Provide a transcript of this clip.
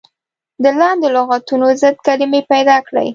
د لاندې لغتونو ضد کلمې پيداکړئ.